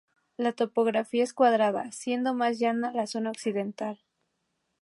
La topografía es cuadrada, siendo más llana la zona occidental.